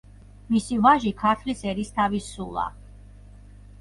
მისი ვაჟი ქართლის ერისთავი სულა.